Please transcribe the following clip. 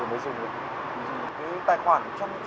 để mới dùng được